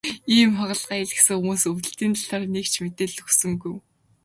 Ийм хагалгаа хийлгэсэн хүмүүс өвдөлтийн талаар нэг ч мэдээлэл өгсөнгүй.